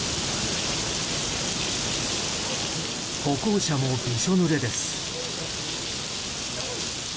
歩行者もびしょぬれです。